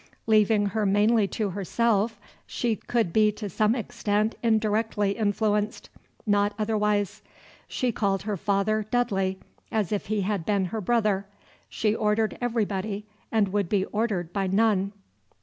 Leaving her mainly to herself, she could be to some extent indirectly influenced, not otherwise. She called her father "Dudley," as if he had been her brother. She ordered everybody and would be ordered by none.